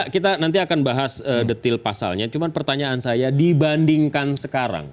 kita nanti akan bahas detail pasalnya cuma pertanyaan saya dibandingkan sekarang